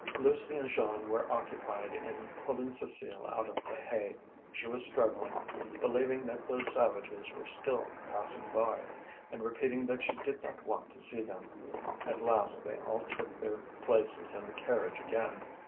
Lucie and Jeanne were occupied in pulling Cécile out of the hay. She was struggling, believing that those savages were still passing by, and repeating that she did not want to see them. At last they all took their places in the carriage again.